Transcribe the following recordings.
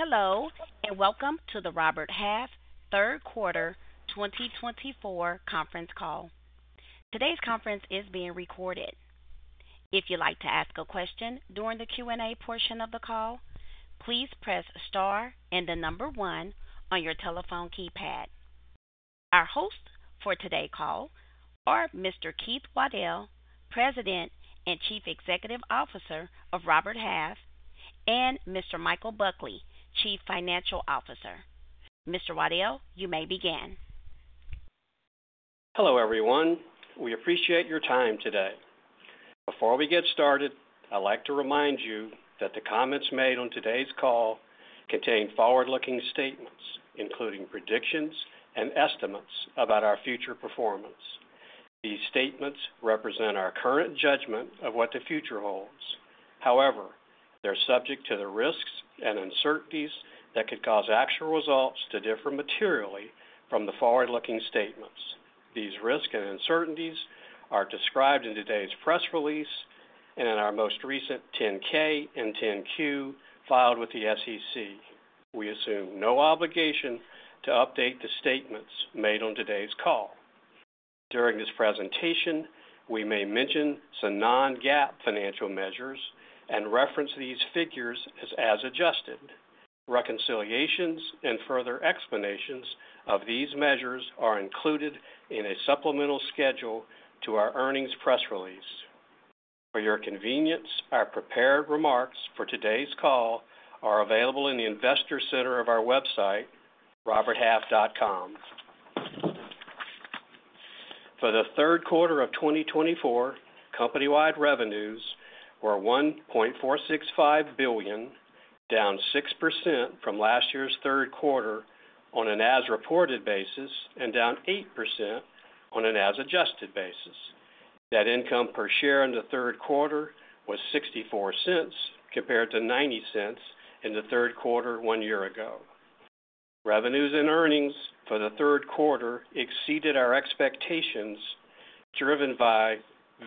Hello, and welcome to the Robert Half third quarter 2024 conference call. Today's conference is being recorded. If you'd like to ask a question during the Q&A portion of the call, please press Star and the number One on your telephone keypad. Our hosts for today's call are Mr. Keith Waddell, President and Chief Executive Officer of Robert Half, and Mr. Michael Buckley, Chief Financial Officer. Mr. Waddell, you may begin. Hello, everyone. We appreciate your time today. Before we get started, I'd like to remind you that the comments made on today's call contain forward-looking statements, including predictions and estimates about our future performance. These statements represent our current judgment of what the future holds. However, they're subject to the risks and uncertainties that could cause actual results to differ materially from the forward-looking statements. These risks and uncertainties are described in today's press release and in our most recent 10-K and 10-Q filed with the SEC. We assume no obligation to update the statements made on today's call. During this presentation, we may mention some non-GAAP financial measures and reference these figures as adjusted. Reconciliations and further explanations of these measures are included in a supplemental schedule to our earnings press release. For your convenience, our prepared remarks for today's call are available in the investor center of our website, roberthalf.com. For the third quarter of twenty twenty-four, company-wide revenues were $1.465 billion, down 6% from last year's third quarter on an as-reported basis and down 8% on an as adjusted basis. Net income per share in the third quarter was $0.64, compared to $0.90 in the third quarter one year ago. Revenues and earnings for the third quarter exceeded our expectations, driven by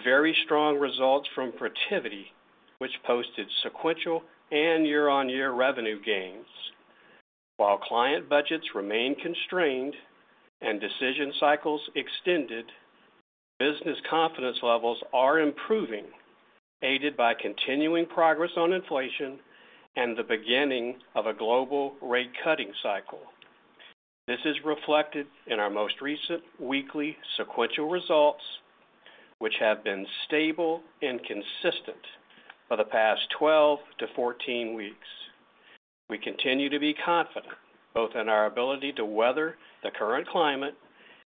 very strong results from Protiviti, which posted sequential and year-on-year revenue gains. While client budgets remain constrained and decision cycles extended, business confidence levels are improving, aided by continuing progress on inflation and the beginning of a global rate cutting cycle. This is reflected in our most recent weekly sequential results, which have been stable and consistent for the past twelve to fourteen weeks. We continue to be confident both in our ability to weather the current climate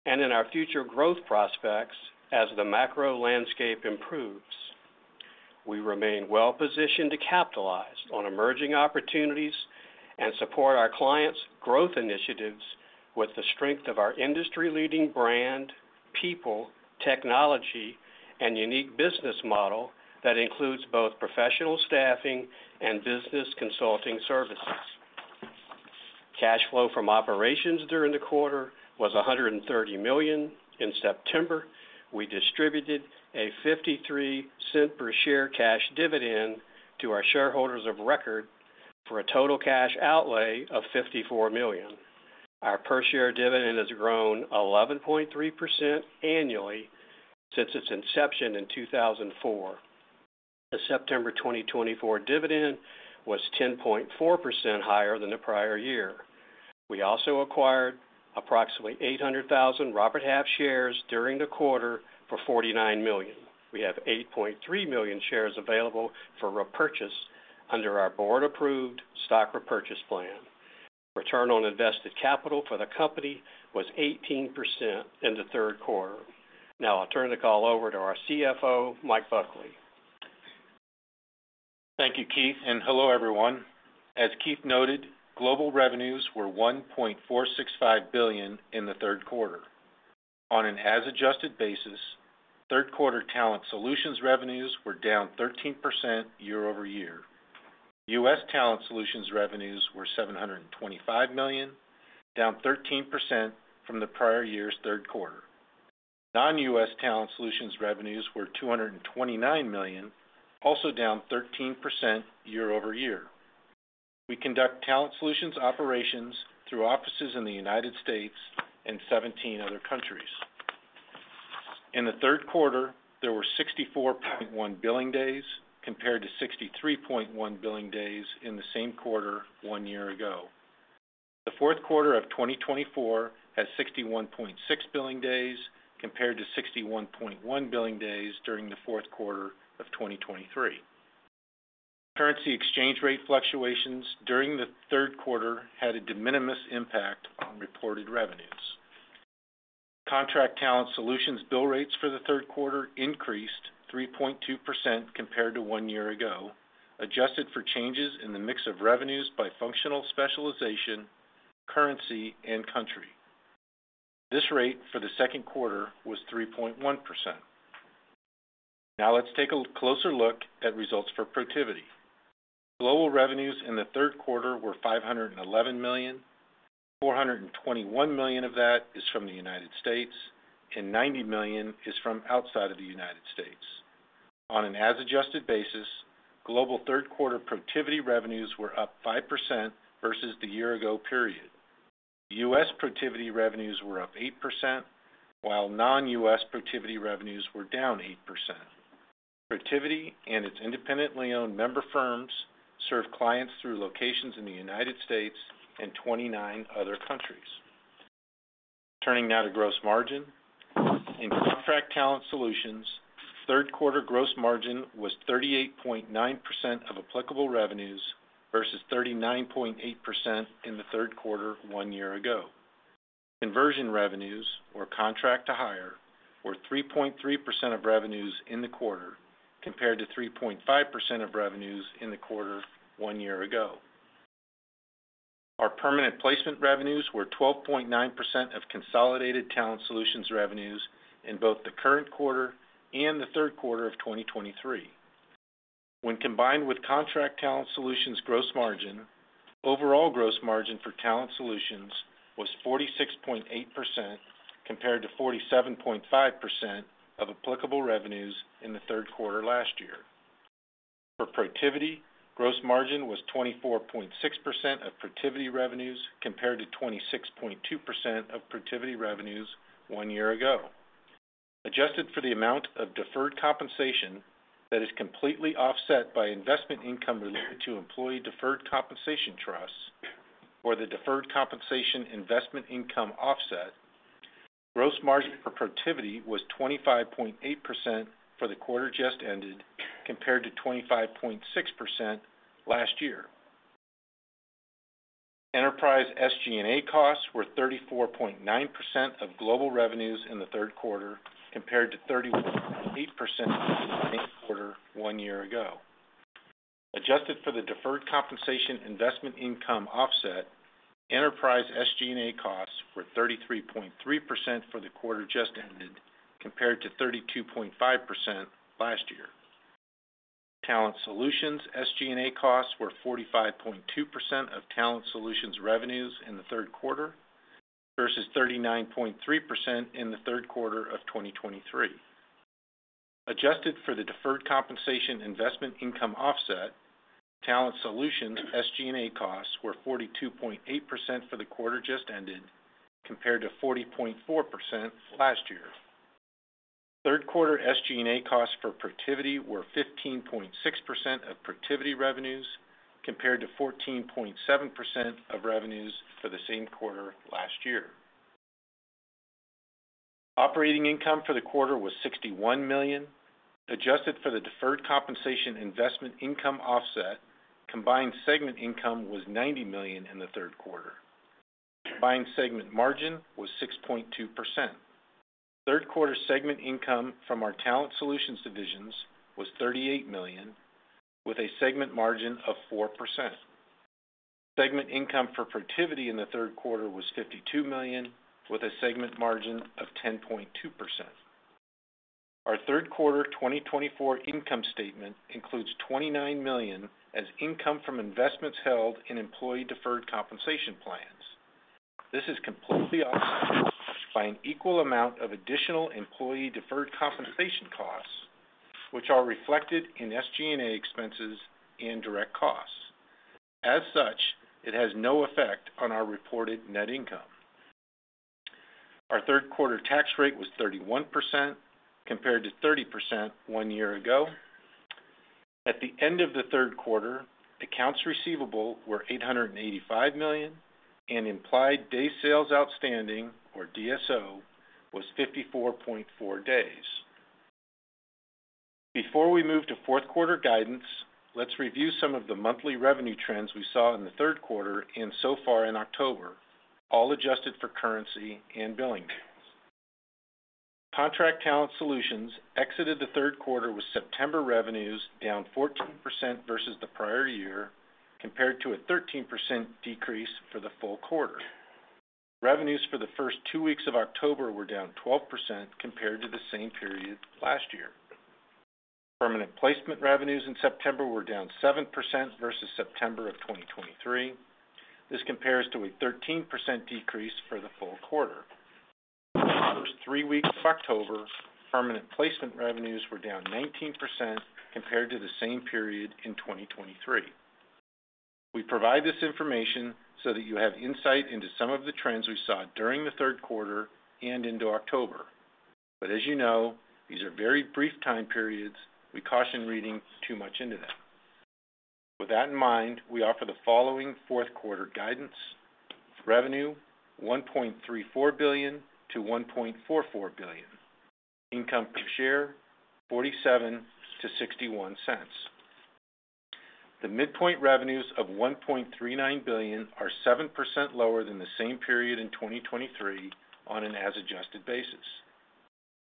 and in our future growth prospects as the macro landscape improves. We remain well-positioned to capitalize on emerging opportunities and support our clients' growth initiatives with the strength of our industry-leading brand, people, technology, and unique business model that includes both professional staffing and business consulting services. Cash flow from operations during the quarter was $130 million. In September, we distributed a $0.53 per share cash dividend to our shareholders of record for a total cash outlay of $54 million. Our per share dividend has grown 11.3% annually since its inception in 2004. The September twenty twenty-four dividend was 10.4% higher than the prior year. We also acquired approximately 800,000 Robert Half shares during the quarter for $49 million. We have 8.3 million shares available for repurchase under our board-approved stock repurchase plan. Return on invested capital for the company was 18% in the third quarter. Now I'll turn the call over to our CFO, Mike Buckley. Thank you, Keith, and hello, everyone. As Keith noted, global revenues were $1.465 billion in the third quarter. On an as adjusted basis, third quarter Talent Solutions revenues were down 13% year-over-year. U.S. Talent Solutions revenues were $725 million, down 13% from the prior year's third quarter. Non-U.S. Talent Solutions revenues were $229 million, also down 13% year-over-year. We conduct Talent Solutions operations through offices in the United States and seventeen other countries. In the third quarter, there were 64.1 billing days, compared to 63.1 billing days in the same quarter one year ago. The fourth quarter of 2024 has 61.6 billing days, compared to 61.1 billing days during the fourth quarter of 2023. Currency exchange rate fluctuations during the third quarter had a de minimis impact on reported revenues. Contract Talent Solutions bill rates for the third quarter increased 3.2% compared to one year ago, adjusted for changes in the mix of revenues by functional specialization, currency, and country. This rate for the second quarter was 3.1%. Now, let's take a closer look at results for Protiviti. Global revenues in the third quarter were $511 million. $421 million of that is from the United States, and $90 million is from outside of the United States. On an as-adjusted basis, global third quarter Protiviti revenues were up 5% versus the year ago period. U.S. Protiviti revenues were up 8%, while non-U.S. Protiviti revenues were down 8%. Protiviti and its independently owned member firms serve clients through locations in the United States and 29 other countries. Turning now to gross margin. In Contract Talent Solutions, third quarter gross margin was 38.9% of applicable revenues versus 39.8% in the third quarter one year ago. Conversion revenues or contract to hire were 3.3% of revenues in the quarter, compared to 3.5% of revenues in the quarter one year ago. Our permanent placement revenues were 12.9% of consolidated Talent Solutions revenues in both the current quarter and the third quarter of 2023. When combined with Contract Talent Solutions gross margin, overall gross margin for Talent Solutions was 46.8%, compared to 47.5% of applicable revenues in the third quarter last year. For Protiviti, gross margin was 24.6% of Protiviti revenues, compared to 26.2% of Protiviti revenues one year ago. Adjusted for the amount of deferred compensation that is completely offset by investment income related to employee deferred compensation trusts or the deferred compensation investment income offset, gross margin for Protiviti was 25.8% for the quarter just ended, compared to 25.6% last year. Enterprise SG&A costs were 34.9% of global revenues in the third quarter, compared to 31.8% in the same quarter one year ago. Adjusted for the deferred compensation investment income offset, enterprise SG&A costs were 33.3% for the quarter just ended, compared to 32.5% last year. Talent Solutions SG&A costs were 45.2% of Talent Solutions revenues in the third quarter versus 39.3% in the third quarter of 2023. Adjusted for the deferred compensation investment income offset, Talent Solutions SG&A costs were 42.8% for the quarter just ended, compared to 40.4% last year. Third quarter SG&A costs for Protiviti were 15.6% of Protiviti revenues, compared to 14.7% of revenues for the same quarter last year. Operating income for the quarter was $61 million, adjusted for the deferred compensation investment income offset. Combined segment income was $90 million in the third quarter. Combined segment margin was 6.2%. Third quarter segment income from our Talent Solutions divisions was $38 million, with a segment margin of 4%. Segment income for Protiviti in the third quarter was $52 million, with a segment margin of 10.2%. Our third quarter income statement includes $29 million as income from investments held in employee deferred compensation plans. This is completely offset by an equal amount of additional employee deferred compensation costs, which are reflected in SG&A expenses and direct costs. As such, it has no effect on our reported net income. Our third quarter tax rate was 31%, compared to 30% one year ago. At the end of the third quarter, accounts receivable were $885 million, and implied Days Sales Outstanding, or DSO, was 54.4 days. Before we move to fourth quarter guidance, let's review some of the monthly revenue trends we saw in the third quarter and so far in October, all adjusted for currency and billing. Contract Talent Solutions exited the third quarter with September revenues down 14% versus the prior year, compared to a 13% decrease for the full quarter. Revenues for the first two weeks of October were down 12% compared to the same period last year. Permanent placement revenues in September were down 7% versus September of 2023. This compares to a 13% decrease for the full quarter. The first three weeks of October, permanent placement revenues were down 19% compared to the same period in 2023. We provide this information so that you have insight into some of the trends we saw during the third quarter and into October. But as you know, these are very brief time periods. We caution reading too much into them. With that in mind, we offer the following fourth quarter guidance. Revenue, $1.34 billion-$1.44 billion. Income per share, $0.47-$0.61. The midpoint revenues of $1.39 billion are 7% lower than the same period in 2023 on an as-adjusted basis.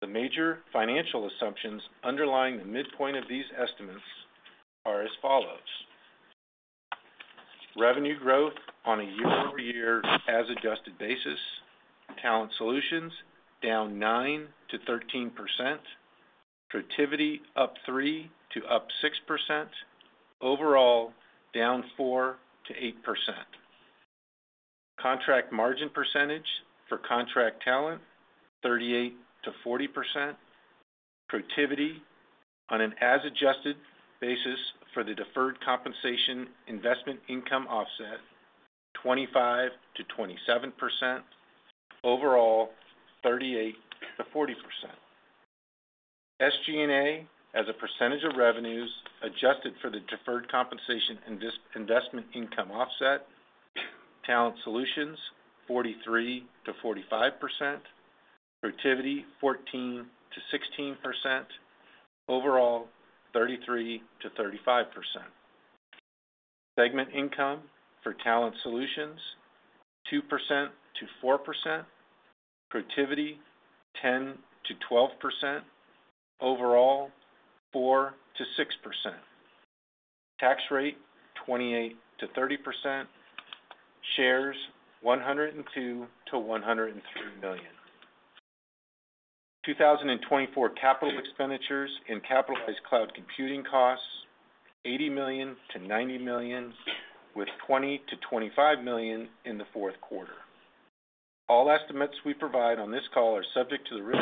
The major financial assumptions underlying the midpoint of these estimates are as follows: Revenue growth on a year-over-year, as adjusted basis, Talent Solutions down 9%-13%, Protiviti up three to up six percent, overall, down 4%-8%.... Contract margin percentage for Contract Talent, 38%-40%. Protiviti, on an as-adjusted basis for the deferred compensation investment income offset, 25%-27%. Overall, 38%-40%. SG&A, as a percentage of revenues, adjusted for the deferred compensation investment income offset, Talent Solutions, 43%-45%. Protiviti, 14%-16%. Overall, 33%-35%. Segment income for Talent Solutions, 2% to 4%. Protiviti, 10% to 12%. Overall, 4% to 6%. Tax rate, 28% to 30%. Shares, 102 to 103 million. 2024 capital expenditures and capitalized cloud computing costs, $80 million-$90 million, with $20-$25 million in the fourth quarter. All estimates we provide on this call are subject to the risk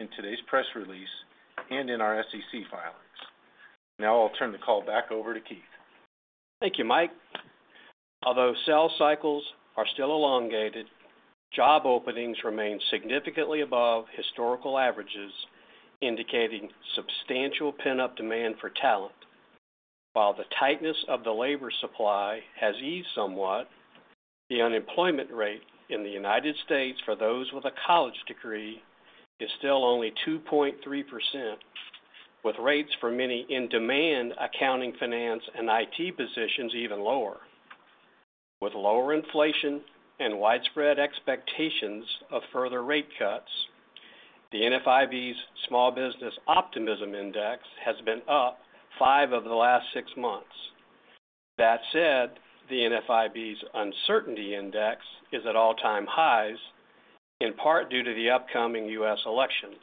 in today's press release and in our SEC filings. Now I'll turn the call back over to Keith. Thank you, Mike. Although sales cycles are still elongated, job openings remain significantly above historical averages, indicating substantial pent-up demand for talent. While the tightness of the labor supply has eased somewhat, the unemployment rate in the United States for those with a college degree is still only 2.3%, with rates for many in-demand accounting, finance, and IT positions even lower. With lower inflation and widespread expectations of further rate cuts, the NFIB's Small Business Optimism Index has been up five of the last six months. That said, the NFIB's Uncertainty Index is at all-time highs, in part due to the upcoming U.S. elections.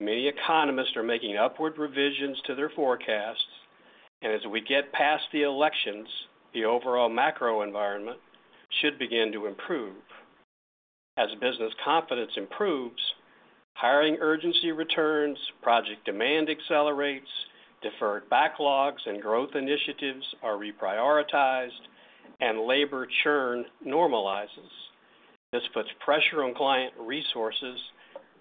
Many economists are making upward revisions to their forecasts, and as we get past the elections, the overall macro environment should begin to improve. As business confidence improves, hiring urgency returns, project demand accelerates, deferred backlogs and growth initiatives are reprioritized, and labor churn normalizes. This puts pressure on client resources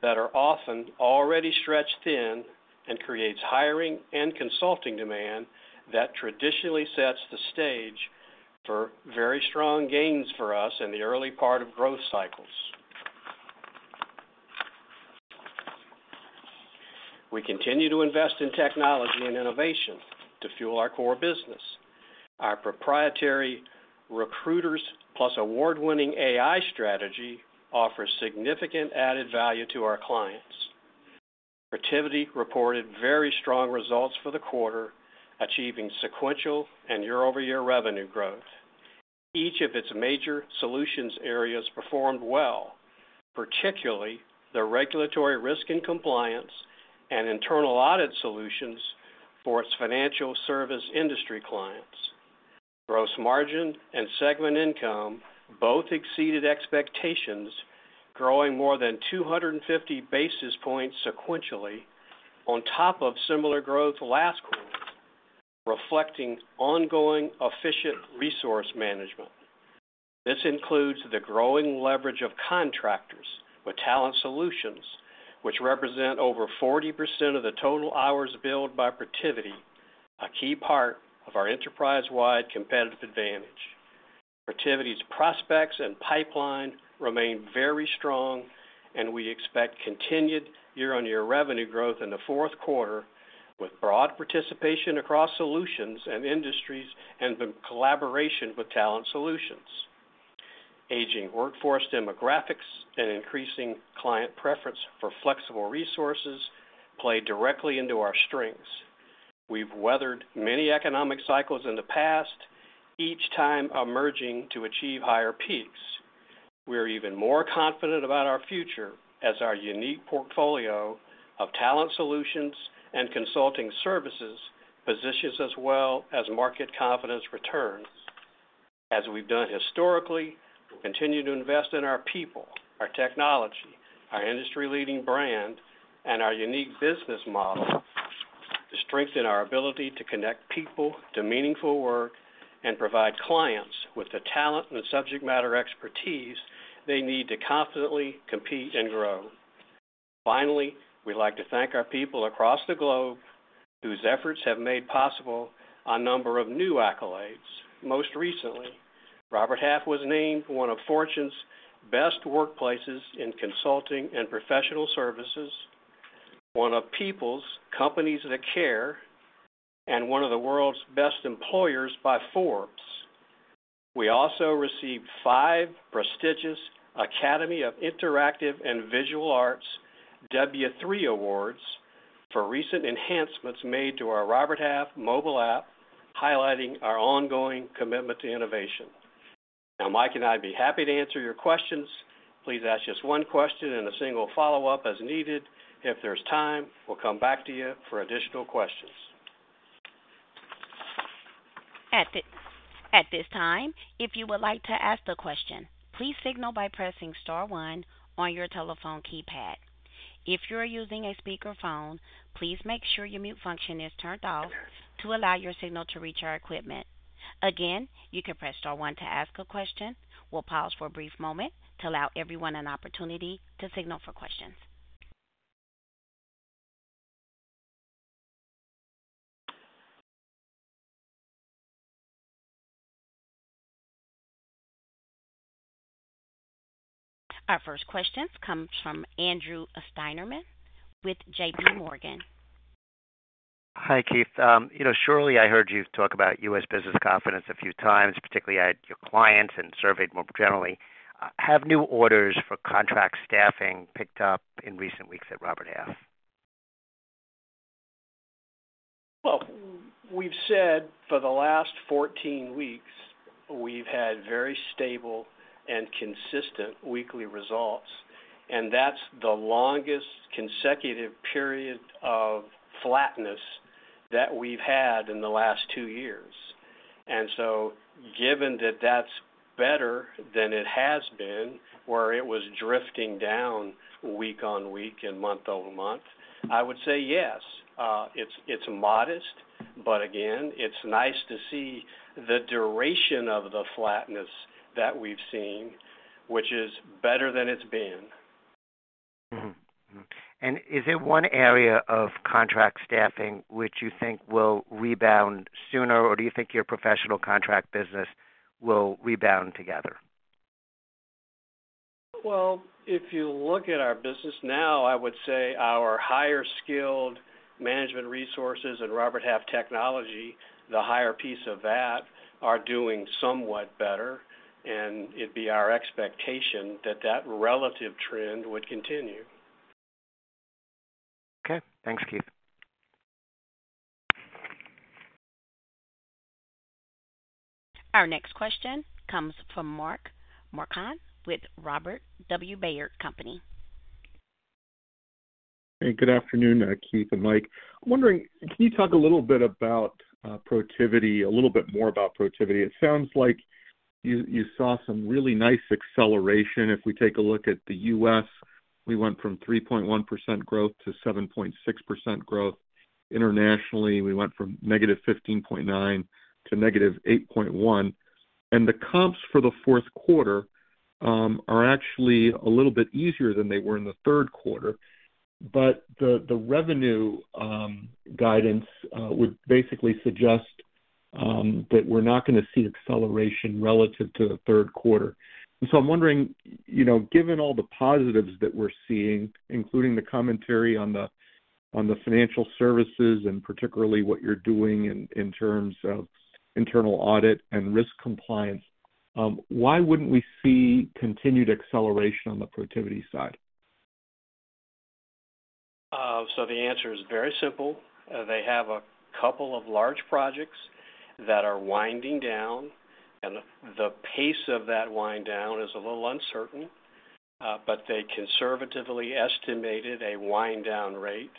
that are often already stretched thin and creates hiring and consulting demand that traditionally sets the stage for very strong gains for us in the early part of growth cycles. We continue to invest in technology and innovation to fuel our core business. Our proprietary recruiters, plus award-winning AI strategy, offers significant added value to our clients. Protiviti reported very strong results for the quarter, achieving sequential and year-over-year revenue growth. Each of its major solutions areas performed well, particularly the Regulatory Risk and Compliance and Internal Audit solutions for its financial services industry clients. Gross margin and segment income both exceeded expectations, growing more than 250 basis points sequentially on top of similar growth last quarter, reflecting ongoing efficient resource management. This includes the growing leverage of contractors with Talent Solutions, which represent over 40% of the total hours billed by Protiviti, a key part of our enterprise-wide competitive advantage. Protiviti's prospects and pipeline remain very strong, and we expect continued year-on-year revenue growth in the fourth quarter, with broad participation across solutions and industries, and the collaboration with Talent Solutions. Aging workforce demographics and increasing client preference for flexible resources play directly into our strengths. We've weathered many economic cycles in the past, each time emerging to achieve higher peaks. We are even more confident about our future as our unique portfolio of talent solutions and consulting services positions us well as market confidence returns. As we've done historically, we'll continue to invest in our people, our technology, our industry-leading brand, and our unique business model to strengthen our ability to connect people to meaningful work and provide clients with the talent and the subject matter expertise they need to confidently compete and grow. Finally, we'd like to thank our people across the globe whose efforts have made possible a number of new accolades. Most recently, Robert Half was named one of Fortune's Best Workplaces in Consulting and Professional Services, one of People's Companies that Care, and one of the World's Best Employers by Forbes. We also received five prestigious Academy of Interactive and Visual Arts, W3 Awards, for recent enhancements made to our Robert Half mobile app, highlighting our ongoing commitment to innovation. Now, Mike and I'd be happy to answer your questions. Please ask just one question and a single follow-up as needed. If there's time, we'll come back to you for additional questions.... At this time, if you would like to ask a question, please signal by pressing star one on your telephone keypad. If you are using a speakerphone, please make sure your mute function is turned off to allow your signal to reach our equipment. Again, you can press star one to ask a question. We'll pause for a brief moment to allow everyone an opportunity to signal for questions. Our first question comes from Andrew Steinerman with J.P. Morgan. Hi, Keith. You know, surely I heard you talk about U.S. business confidence a few times, particularly at your clients and surveyed more generally. Have new orders for contract staffing picked up in recent weeks at Robert Half? We've said for the last 14 weeks, we've had very stable and consistent weekly results, and that's the longest consecutive period of flatness that we've had in the last two years. And so given that that's better than it has been, where it was drifting down week on week and month over month, I would say yes, it's modest, but again, it's nice to see the duration of the flatness that we've seen, which is better than it's been. Mm-hmm. And is it one area of contract staffing which you think will rebound sooner, or do you think your professional contract business will rebound together? If you look at our business now, I would say our higher skilled management resources and Robert Half Technology, the higher piece of that, are doing somewhat better, and it'd be our expectation that that relative trend would continue. Okay, thanks, Keith. Our next question comes from Mark Marcon with Robert W. Baird & Co. Hey, good afternoon, Keith and Mike. I'm wondering, can you talk a little bit about Protiviti, a little bit more about Protiviti? It sounds like you saw some really nice acceleration. If we take a look at the U.S., we went from 3.1% growth to 7.6% growth. Internationally, we went from -15.9% to -8.1%, and the comps for the fourth quarter are actually a little bit easier than they were in the third quarter. But the revenue guidance would basically suggest that we're not gonna see acceleration relative to the third quarter. I'm wondering, you know, given all the positives that we're seeing, including the commentary on the financial services and particularly what you're doing in terms of internal audit and risk compliance, why wouldn't we see continued acceleration on the Protiviti side? So the answer is very simple. They have a couple of large projects that are winding down, and the pace of that wind down is a little uncertain, but they conservatively estimated a wind down rate,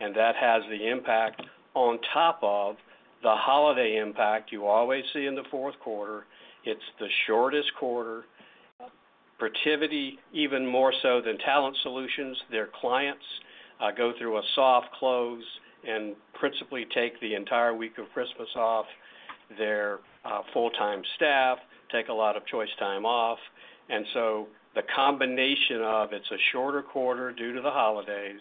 and that has the impact on top of the holiday impact you always see in the fourth quarter. It's the shortest quarter. Protiviti, even more so than Talent Solutions, their clients go through a soft close and principally take the entire week of Christmas off. Their full-time staff take a lot of choice time off. And so the combination of it's a shorter quarter due to the holidays,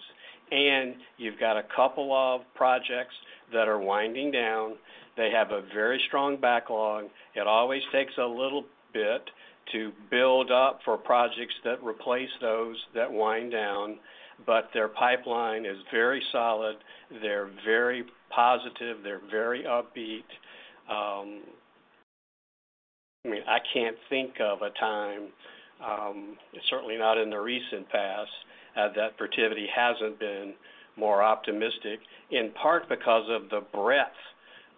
and you've got a couple of projects that are winding down. They have a very strong backlog. It always takes a little bit to build up for projects that replace those that wind down, but their pipeline is very solid. They're very positive. They're very upbeat. I mean, I can't think of a time, certainly not in the recent past, that Protiviti hasn't been more optimistic, in part because of the breadth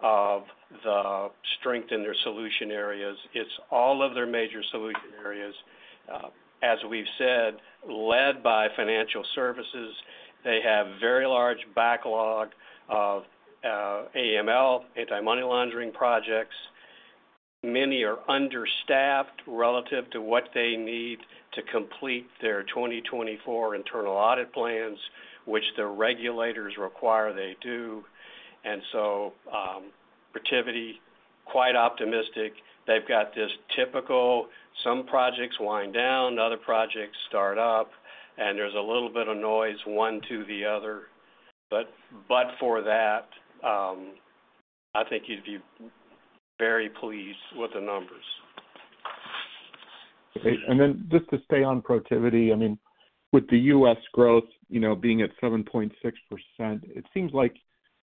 of the strength in their solution areas. It's all of their major solution areas, as we've said, led by financial services. They have very large backlog of, AML, anti-money laundering projects. Many are understaffed relative to what they need to complete their 2024 internal audit plans, which the regulators require they do. And so, Protiviti, quite optimistic. They've got this typical, some projects wind down, other projects start up, and there's a little bit of noise, one to the other. But for that, I think you'd be very pleased with the numbers. Okay. And then just to stay on Protiviti, I mean, with the U.S. growth, you know, being at 7.6%, it seems like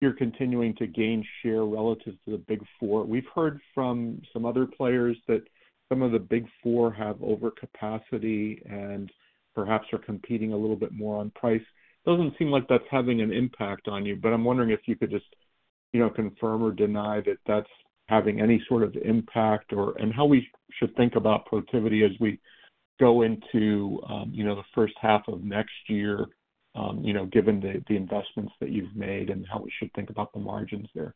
you're continuing to gain share relative to the Big Four. We've heard from some other players that some of the Big Four have overcapacity and perhaps are competing a little bit more on price. It doesn't seem like that's having an impact on you, but I'm wondering if you could just, you know, confirm or deny that that's having any sort of impact or... and how we should think about Protiviti as we go into, you know, the first half of next year?... you know, given the investments that you've made and how we should think about the margins there?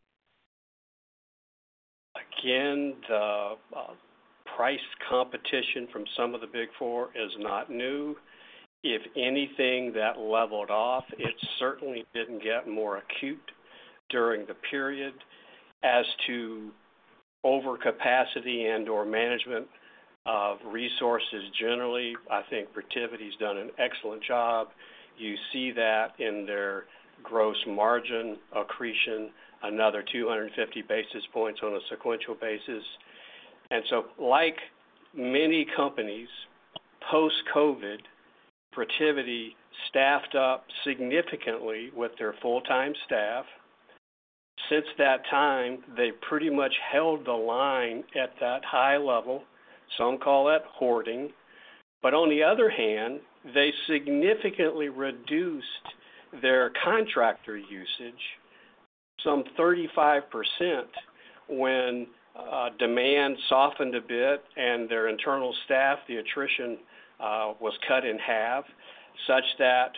Again, the price competition from some of the Big Four is not new. If anything, that leveled off, it certainly didn't get more acute during the period. As to overcapacity and or management of resources, generally, I think Protiviti's done an excellent job. You see that in their gross margin accretion, another 250 basis points on a sequential basis. And so, like many companies, post-COVID, Protiviti staffed up significantly with their full-time staff. Since that time, they pretty much held the line at that high level. Some call that hoarding, but on the other hand, they significantly reduced their contractor usage some 35% when demand softened a bit and their internal staff, the attrition was cut in half, such that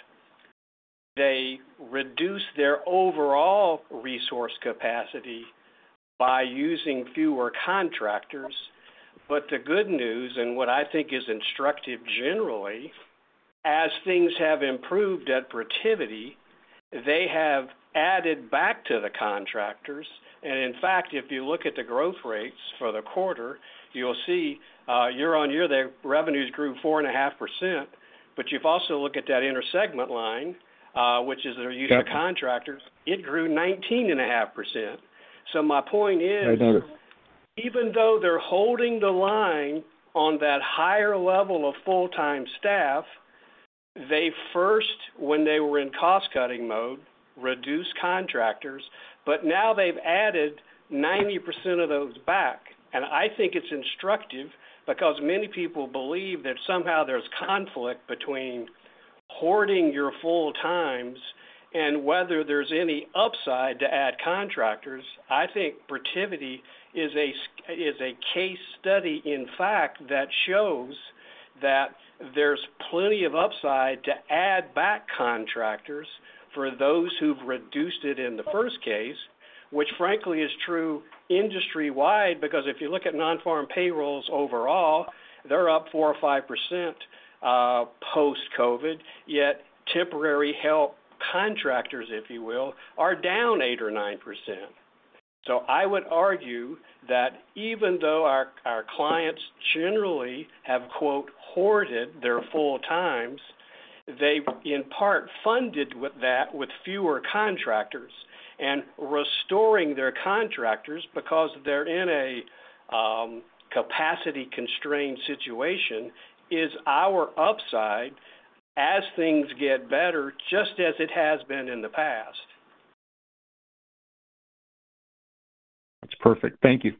they reduced their overall resource capacity by using fewer contractors. But the good news, and what I think is instructive generally, as things have improved at Protiviti, they have added back to the contractors. And in fact, if you look at the growth rates for the quarter, you'll see, year-on-year, their revenues grew 4.5%, but you've also looked at that intersegment line, which is their use of contractors. It grew 19.5%. So my point is- I got it. Even though they're holding the line on that higher level of full-time staff, they first, when they were in cost-cutting mode, reduced contractors, but now they've added 90% of those back. And I think it's instructive because many people believe that somehow there's conflict between hoarding your full-times and whether there's any upside to add contractors. I think Protiviti is a case study, in fact, that shows that there's plenty of upside to add back contractors for those who've reduced it in the first case, which frankly, is true industry-wide, because if you look at nonfarm payrolls overall, they're up 4% or 5%, post-COVID, yet temporary help contractors, if you will, are down 8% or 9%. So I would argue that even though our clients generally have, quote, hoarded their full times, they, in part, funded with that, with fewer contractors. and restoring their contractors because they're in a capacity-constrained situation is our upside as things get better, just as it has been in the past. That's perfect. Thank you.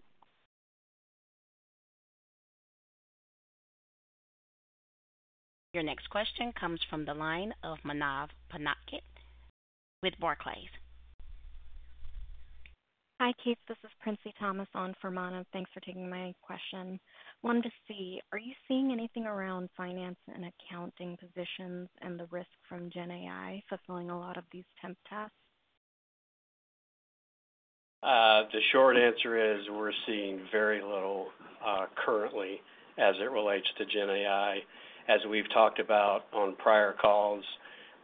Your next question comes from the line of Manav Patnaik with Barclays. Hi, Keith. This is Princy Thomas on for Manav. Thanks for taking my question. Wanted to see, are you seeing anything around finance and accounting positions and the risk from GenAI fulfilling a lot of these temp tasks? The short answer is we're seeing very little currently as it relates to GenAI. As we've talked about on prior calls,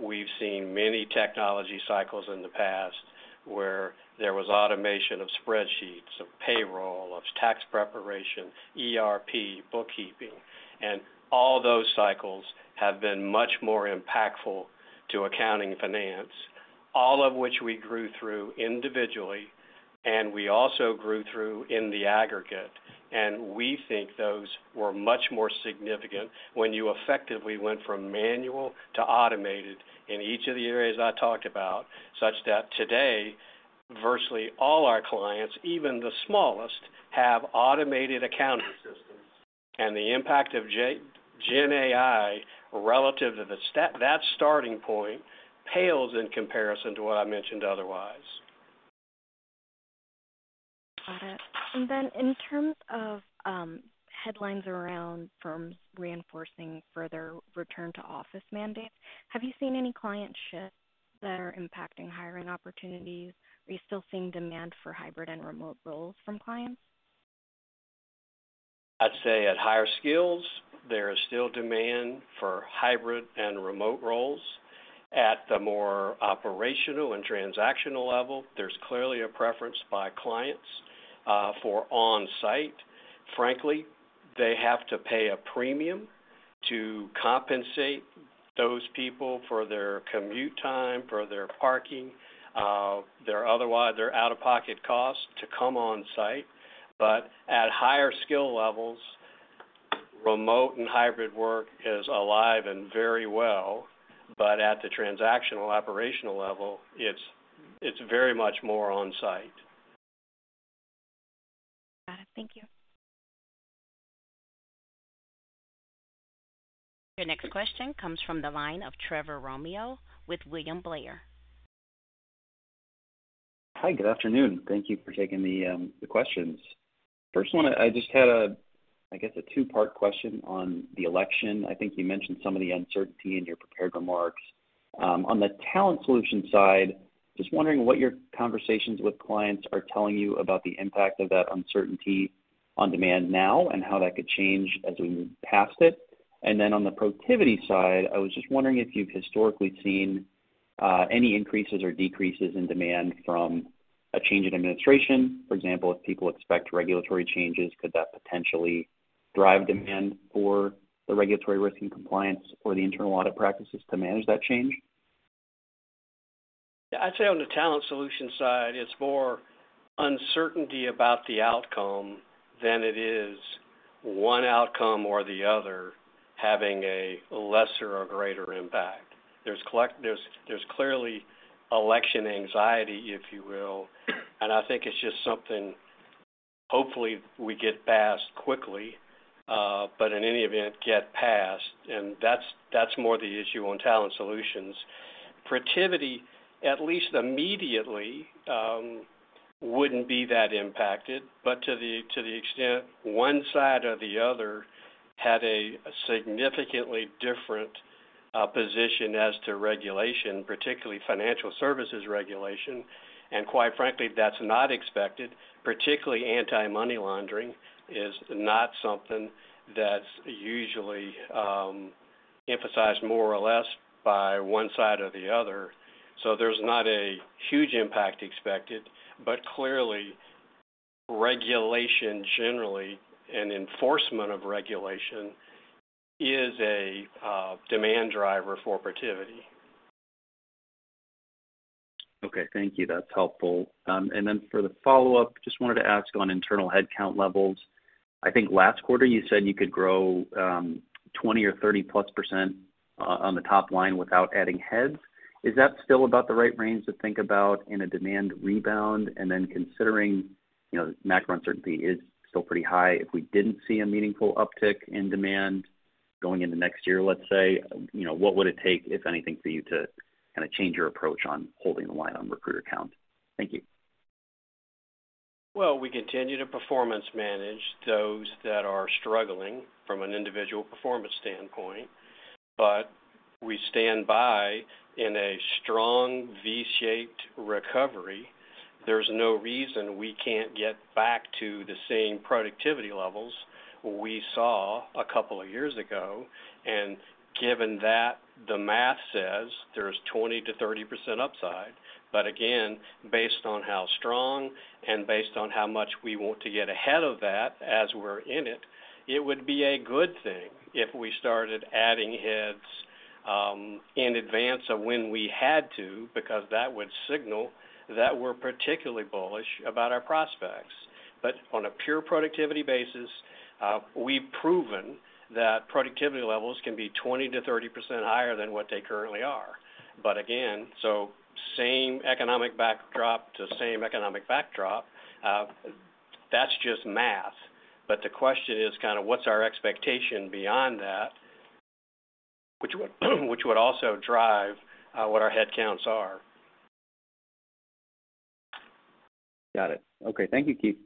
we've seen many technology cycles in the past where there was automation of spreadsheets, of payroll, of tax preparation, ERP, bookkeeping, and all those cycles have been much more impactful to accounting and finance, all of which we grew through individually, and we also grew through in the aggregate. And we think those were much more significant when you effectively went from manual to automated in each of the areas I talked about, such that today, virtually all our clients, even the smallest, have automated accounting systems, and the impact of GenAI, relative to that starting point, pales in comparison to what I mentioned otherwise. Got it. And then in terms of headlines around firms reinforcing further return to office mandates, have you seen any client shifts that are impacting hiring opportunities? Are you still seeing demand for hybrid and remote roles from clients? I'd say at higher skills, there is still demand for hybrid and remote roles. At the more operational and transactional level, there's clearly a preference by clients for on-site. Frankly, they have to pay a premium to compensate those people for their commute time, for their parking, or otherwise their out-of-pocket costs to come on-site. But at higher skill levels, remote and hybrid work is alive and very well, but at the transactional, operational level, it's very much more on-site. Got it. Thank you. Your next question comes from the line of Trevor Romeo with William Blair. Hi, good afternoon. Thank you for taking the questions. First one, I just had a, I guess, a two-part question on the election. I think you mentioned some of the uncertainty in your prepared remarks. On the Talent Solutions side, just wondering what your conversations with clients are telling you about the impact of that uncertainty on demand now and how that could change as we move past it. And then on the Protiviti side, I was just wondering if you've historically seen any increases or decreases in demand from a change in administration. For example, if people expect regulatory changes, could that potentially drive demand for the Regulatory Risk and Compliance or the Internal Audit practices to manage that change? I'd say on the Talent Solutions side, it's more uncertainty about the outcome than it is one outcome or the other having a lesser or greater impact. There's clearly election anxiety, if you will, and I think it's just something hopefully we get past quickly, but in any event, get past, and that's more the issue on Talent Solutions. Protiviti, at least immediately, wouldn't be that impacted, but to the extent one side or the other had a significantly different position as to regulation, particularly financial services regulation, and quite frankly, that's not expected. Particularly anti-money laundering is not something that's usually emphasized more or less by one side or the other. So there's not a huge impact expected, but clearly, regulation generally and enforcement of regulation is a demand driver for Protiviti. Okay, thank you. That's helpful. And then for the follow-up, just wanted to ask on internal headcount levels. I think last quarter you said you could grow 20 or 30-plus% on the top line without adding heads. Is that still about the right range to think about in a demand rebound? And then considering, you know, macro uncertainty is still pretty high, if we didn't see a meaningful uptick in demand going into next year, let's say, you know, what would it take, if anything, for you to kinda change your approach on holding the line on recruiter count? Thank you. We continue to performance manage those that are struggling from an individual performance standpoint, but we stand by in a strong V-shaped recovery. There's no reason we can't get back to the same productivity levels we saw a couple of years ago. And given that, the math says there's 20%-30% upside, but again, based on how strong and based on how much we want to get ahead of that as we're in it, it would be a good thing if we started adding heads in advance of when we had to, because that would signal that we're particularly bullish about our prospects. But on a pure productivity basis, we've proven that productivity levels can be 20%-30% higher than what they currently are. But again, so same economic backdrop to same economic backdrop, that's just math. But the question is kind of what's our expectation beyond that, which would also drive what our headcounts are. Got it. Okay, thank you, Keith.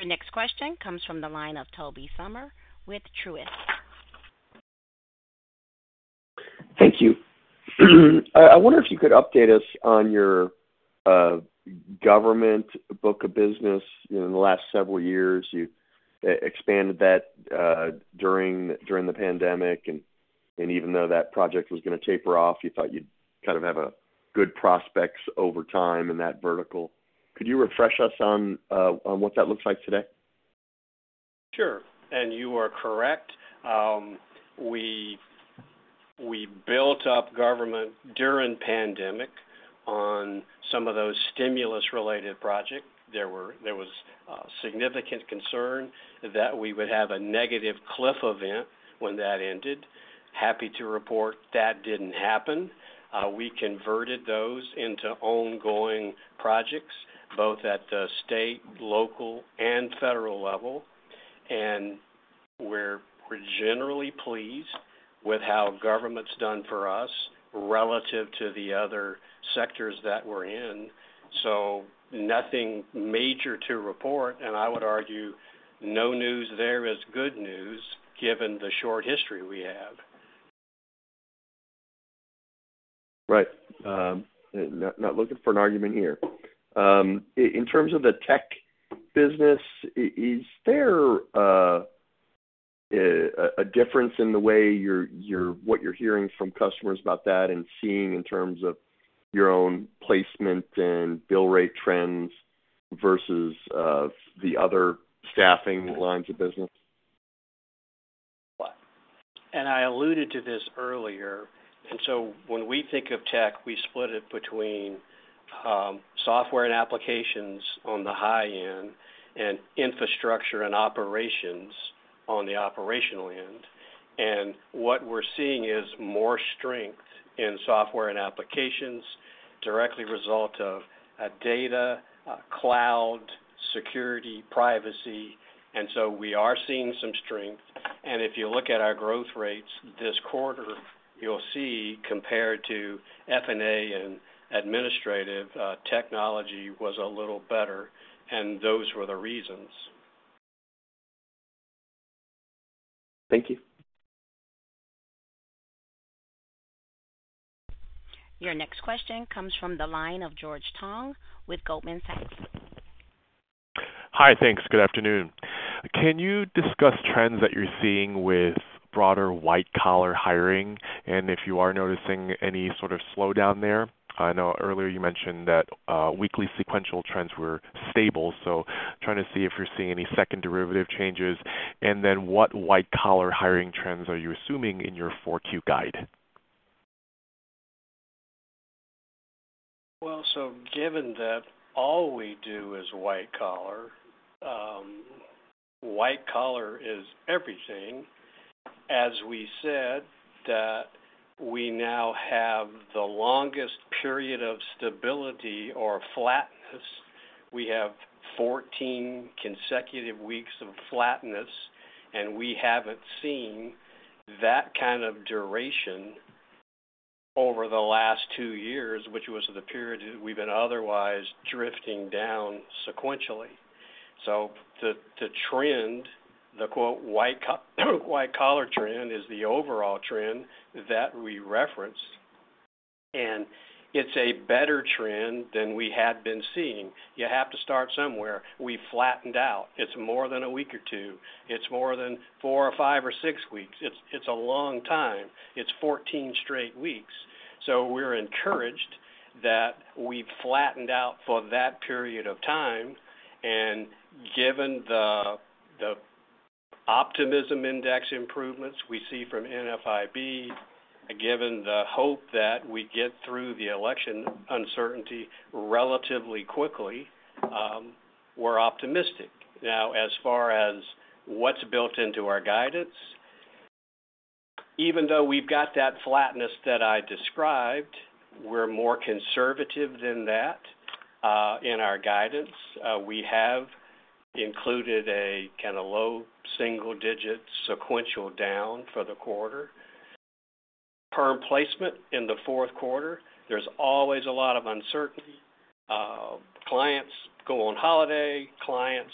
Your next question comes from the line of Toby Sommer with Truist. Thank you. I wonder if you could update us on your government book of business. In the last several years, you expanded that during the pandemic, and even though that project was gonna taper off, you thought you'd kind of have a good prospects over time in that vertical. Could you refresh us on what that looks like today? Sure, and you are correct. We built up government during pandemic on some of those stimulus-related projects. There was significant concern that we would have a negative cliff event when that ended. Happy to report that didn't happen. We converted those into ongoing projects, both at the state, local, and federal level. And we're generally pleased with how government's done for us relative to the other sectors that we're in, so nothing major to report, and I would argue no news there is good news given the short history we have. Right. Not looking for an argument here. In terms of the tech business, is there a difference in the way you're what you're hearing from customers about that and seeing in terms of your own placement and bill rate trends versus the other staffing lines of business? I alluded to this earlier, and so when we think of tech, we split it between software and applications on the high end and infrastructure and operations on the operational end. And what we're seeing is more strength in software and applications, direct result of data, cloud, security, privacy, and so we are seeing some strength. And if you look at our growth rates this quarter, you'll see, compared to F&A and administrative, technology was a little better, and those were the reasons. Thank you. Your next question comes from the line of George Tong with Goldman Sachs. Hi, thanks. Good afternoon. Can you discuss trends that you're seeing with broader white-collar hiring, and if you are noticing any sort of slowdown there? I know earlier you mentioned that, weekly sequential trends were stable, so trying to see if you're seeing any second derivative changes. And then, what white-collar hiring trends are you assuming in your four Q guide? Given that all we do is white collar, white collar is everything. As we said, that we now have the longest period of stability or flatness. We have 14 consecutive weeks of flatness, and we haven't seen that kind of duration over the last two years, which was the period we've been otherwise drifting down sequentially. To trend the quoted "white collar trend" is the overall trend that we reference, and it's a better trend than we had been seeing. You have to start somewhere. We've flattened out. It's more than a week or two. It's more than four or five or six weeks. It's a long time. It's 14 straight weeks. We're encouraged that we've flattened out for that period of time. Given the optimism index improvements we see from NFIB, and given the hope that we get through the election uncertainty relatively quickly, we're optimistic. Now, as far as what's built into our guidance, even though we've got that flatness that I described, we're more conservative than that in our guidance. We have included a kind of low single-digit sequential down for the quarter. Perm placement in the fourth quarter, there's always a lot of uncertainty. Clients go on holiday. Clients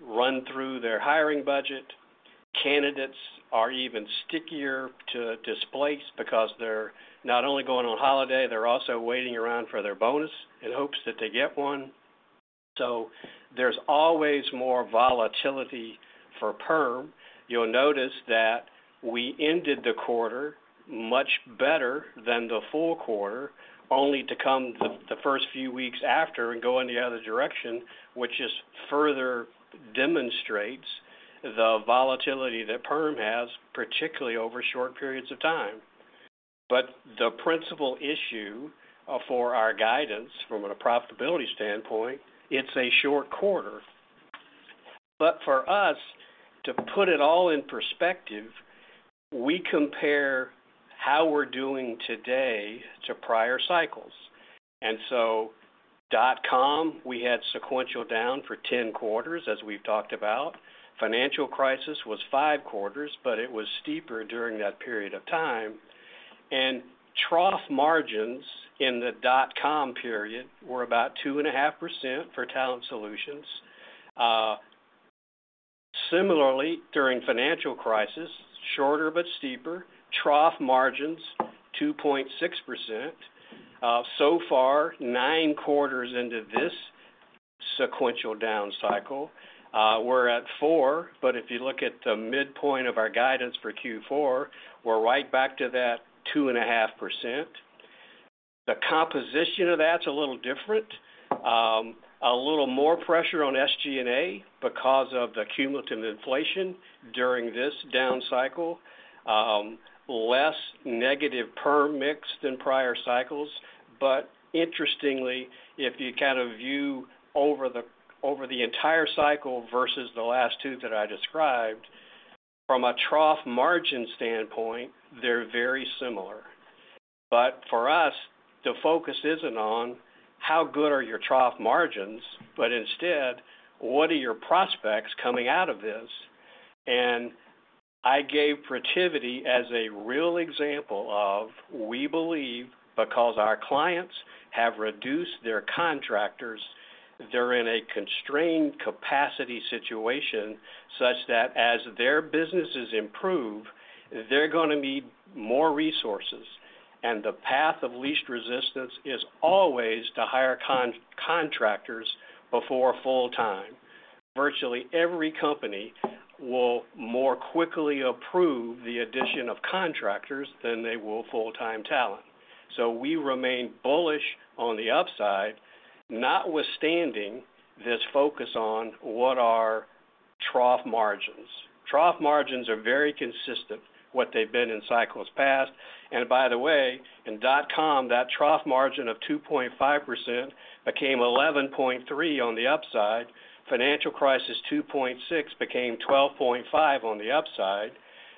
run through their hiring budget. Candidates are even stickier to displace because they're not only going on holiday, they're also waiting around for their bonus in hopes that they get one. So there's always more volatility for perm. You'll notice that we ended the quarter much better than the full quarter, only to come the first few weeks after and go in the other direction, which just further demonstrates the volatility that perm has, particularly over short periods of time. But the principal issue for our guidance from a profitability standpoint, it's a short quarter. But for us, to put it all in perspective, we compare how we're doing today to prior cycles. And so dot-com, we had sequential down for 10 quarters, as we've talked about. Financial crisis was 5 quarters, but it was steeper during that period of time. And trough margins in the dot-com period were about 2.5% for Talent Solutions. Similarly, during financial crisis, shorter but steeper, trough margins, 2.6%. So far, nine quarters into this sequential down cycle, we're at four, but if you look at the midpoint of our guidance for Q4, we're right back to that 2.5%. The composition of that's a little different. A little more pressure on SG&A because of the cumulative inflation during this down cycle. Less negative perm mix than prior cycles. But interestingly, if you kind of view over the entire cycle versus the last two that I described, from a trough margin standpoint, they're very similar. But for us, the focus isn't on how good are your trough margins, but instead, what are your prospects coming out of this? And I gave Protiviti as a real example of, we believe, because our clients have reduced their contractors, they're in a constrained capacity situation, such that as their businesses improve, they're going to need more resources. And the path of least resistance is always to hire contractors before full-time. Virtually every company will more quickly approve the addition of contractors than they will full-time talent. So we remain bullish on the upside, notwithstanding this focus on what are trough margins. Trough margins are very consistent, what they've been in cycles past. And by the way, in dot-com, that trough margin of 2.5% became 11.3% on the upside. Financial crisis, 2.6% became 12.5% on the upside.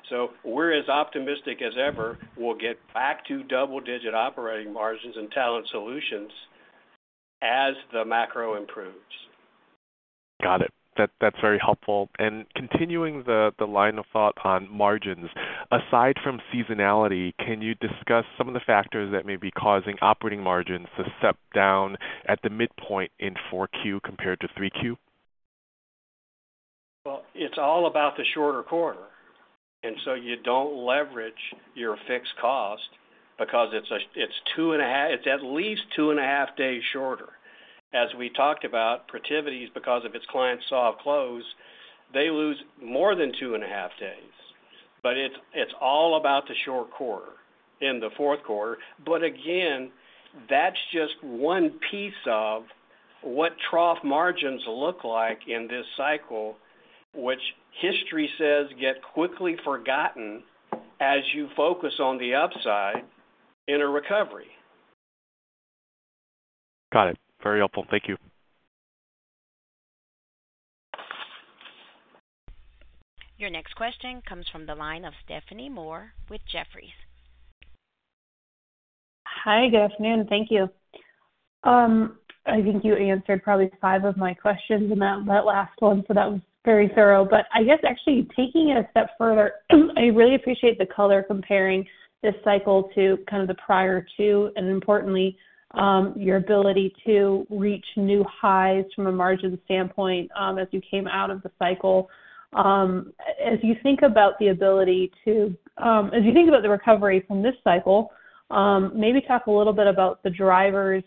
So we're as optimistic as ever we'll get back to double-digit operating margins in Talent Solutions as the macro improves. Got it. That, that's very helpful. And continuing the line of thought on margins, aside from seasonality, can you discuss some of the factors that may be causing operating margins to step down at the midpoint in 4Q compared to 3Q? It's all about the shorter quarter, and so you don't leverage your fixed cost because it's at least two and a half days shorter. As we talked about, Protiviti, because of its client, soft close, they lose more than two and a half days. But it's all about the short quarter in the fourth quarter. But again, that's just one piece of what trough margins look like in this cycle, which history says get quickly forgotten as you focus on the upside in a recovery. Got it. Very helpful. Thank you. Your next question comes from the line of Stephanie Moore with Jefferies. Hi, good afternoon. Thank you. I think you answered probably five of my questions in that last one, so that was very thorough. But I guess actually taking it a step further, I really appreciate the color comparing this cycle to kind of the prior two, and importantly, your ability to reach new highs from a margin standpoint, as you came out of the cycle. As you think about the recovery from this cycle, maybe talk a little bit about the drivers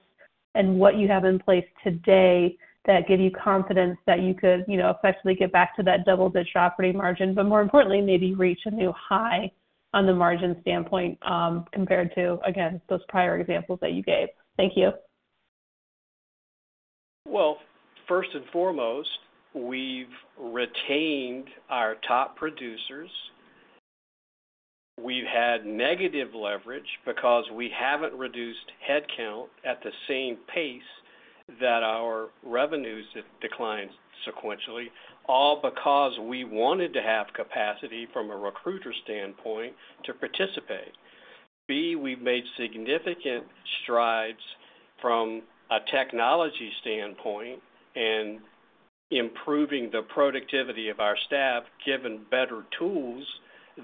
and what you have in place today that give you confidence that you could, you know, effectively get back to that double-digit operating margin, but more importantly, maybe reach a new high on the margin standpoint, compared to, again, those prior examples that you gave. Thank you. First and foremost, we've retained our top producers. We've had negative leverage because we haven't reduced headcount at the same pace that our revenues have declined sequentially, all because we wanted to have capacity from a recruiter standpoint to participate. B, we've made significant strides from a technology standpoint in improving the productivity of our staff, given better tools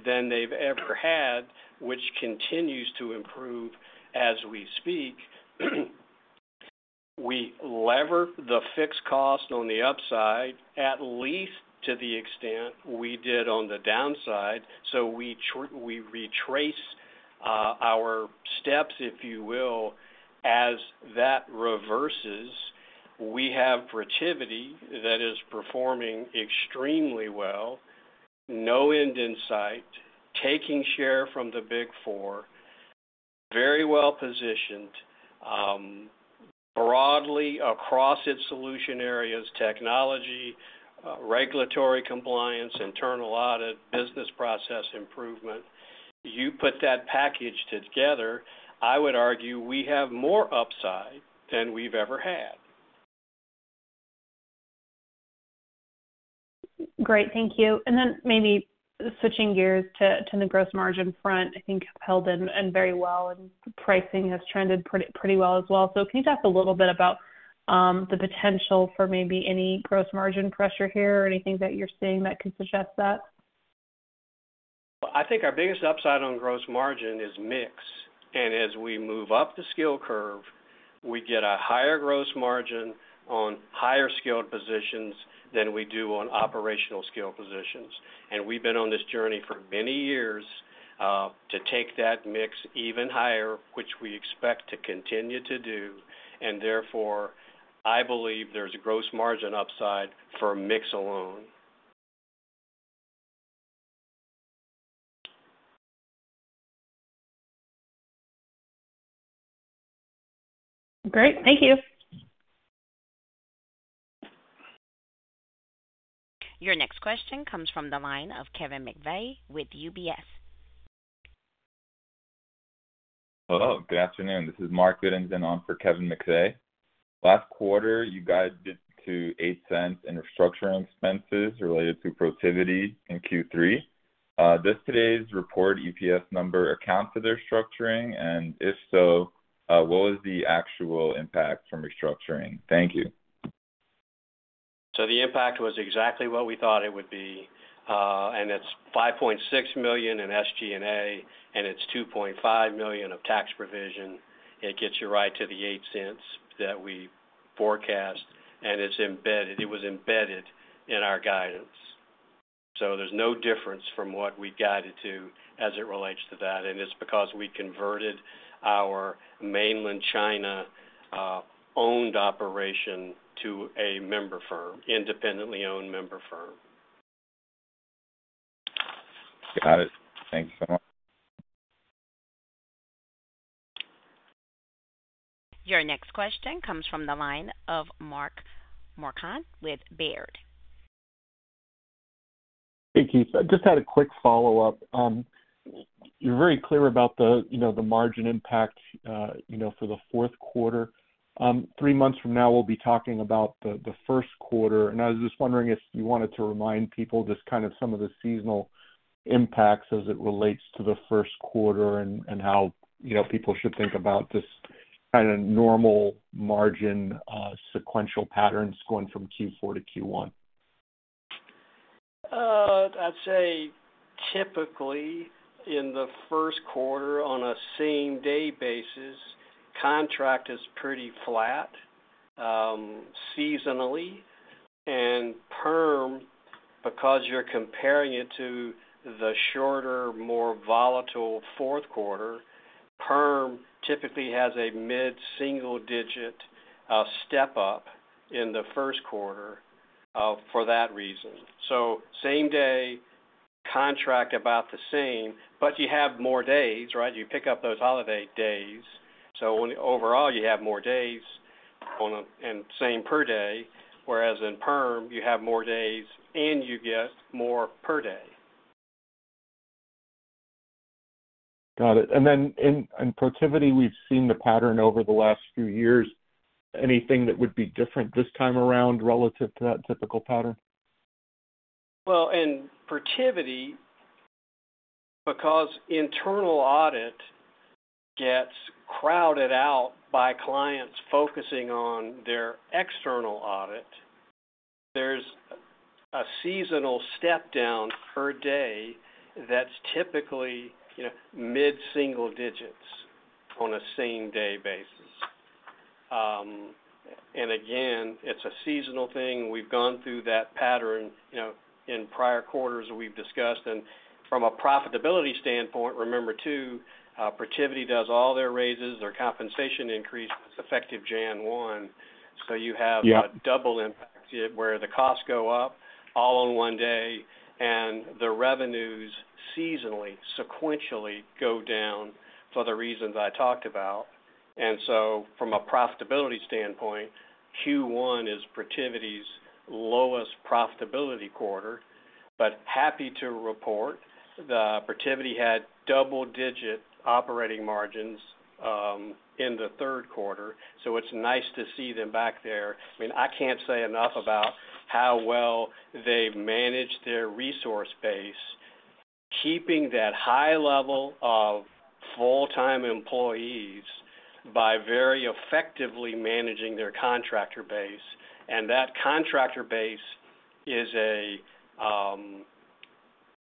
than they've ever had, which continues to improve as we speak. We lever the fixed cost on the upside, at least to the extent we did on the downside. So we retrace our steps, if you will, as that reverses. We have Protiviti that is performing extremely well, no end in sight, taking share from the Big Four. Very well positioned, broadly across its solution areas, technology, regulatory compliance, internal audit, business process improvement. You put that package together, I would argue we have more upside than we've ever had. Great, thank you. And then maybe switching gears to the gross margin front, I think, held in and very well, and pricing has trended pretty, pretty well as well. So can you talk a little bit about the potential for maybe any gross margin pressure here or anything that you're seeing that could suggest that? I think our biggest upside on gross margin is mix, and as we move up the skill curve, we get a higher gross margin on higher-skilled positions than we do on operational skill positions, and we've been on this journey for many years to take that mix even higher, which we expect to continue to do, and therefore, I believe there's a gross margin upside for mix alone. Great. Thank you. Your next question comes from the line of Kevin McVey with UBS. Hello, good afternoon. This is Mark Goodinson on for Kevin McVey. Last quarter, you guided to $0.08 in restructuring expenses related to Protiviti in Q3. Does today's report EPS number account for their structuring? And if so, what was the actual impact from restructuring? Thank you. So the impact was exactly what we thought it would be, and it's $5.6 million in SG&A, and it's $2.5 million of tax provision. It gets you right to the $0.08 that we forecast, and it's embedded, it was embedded in our guidance. So there's no difference from what we guided to as it relates to that, and it's because we converted our mainland China owned operation to a member firm, independently owned member firm. Got it. Thank you so much. Your next question comes from the line of Mark Marcon with Baird. Hey, Keith. I just had a quick follow-up.... You're very clear about the, you know, the margin impact for the fourth quarter. Three months from now, we'll be talking about the first quarter, and I was just wondering if you wanted to remind people just kind of some of the seasonal impacts as it relates to the first quarter and how, you know, people should think about this kind of normal margin sequential patterns going from Q4 to Q1. I'd say typically in the first quarter, on a same-day basis, contract is pretty flat, seasonally. And perm, because you're comparing it to the shorter, more volatile fourth quarter, perm typically has a mid-single digit, step up in the first quarter, for that reason. So same day, contract about the same, but you have more days, right? You pick up those holiday days, so when overall, you have more days on a and same per day, whereas in perm, you have more days and you get more per day. Got it. And then in Protiviti, we've seen the pattern over the last few years. Anything that would be different this time around relative to that typical pattern? In Protiviti, because internal audit gets crowded out by clients focusing on their external audit, there's a seasonal step down per day that's typically, you know, mid-single digits on a same-day basis. And again, it's a seasonal thing. We've gone through that pattern, you know, in prior quarters we've discussed. From a profitability standpoint, remember too, Protiviti does all their raises, their compensation increase is effective January one. Yeah. So you have a double impact, where the costs go up all in one day, and the revenues seasonally, sequentially go down for the reasons I talked about. And so from a profitability standpoint, Q1 is Protiviti's lowest profitability quarter, but happy to report that Protiviti had double-digit operating margins in the third quarter, so it's nice to see them back there. I mean, I can't say enough about how well they've managed their resource base, keeping that high level of full-time employees by very effectively managing their contractor base. And that contractor base is a,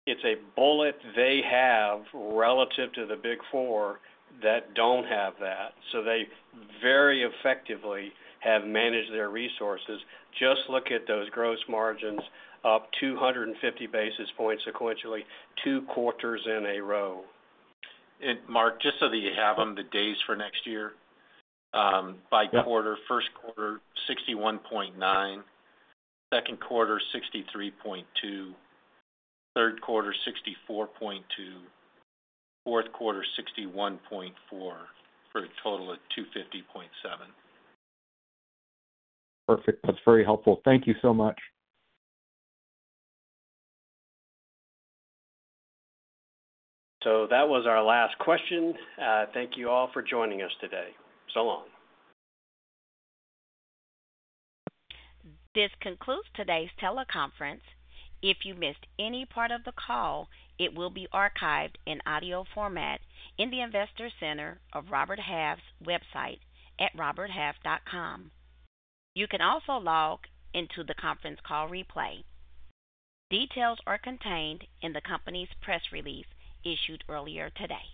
it's a bullet they have relative to the Big Four that don't have that. So they very effectively have managed their resources. Just look at those gross margins, up 250 basis points sequentially, two quarters in a row. Mark, just so that you have them, the days for next year, by quarter. Yeah. First quarter, 61.9. Second quarter, 63.2. Third quarter, 64.2. Fourth quarter, 61.4, for a total of 250.7. Perfect. That's very helpful. Thank you so much. So that was our last question. Thank you all for joining us today. So long. This concludes today's teleconference. If you missed any part of the call, it will be archived in audio format in the Investor Center of Robert Half's website at roberthalf.com. You can also log into the conference call replay. Details are contained in the company's press release issued earlier today.